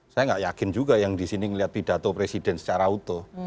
saya nggak yakin juga yang di sini melihat pidato presiden secara utuh